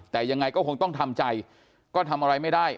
แต่ยังไงก็คงต้องทำใจก็ทำอะไรไม่ได้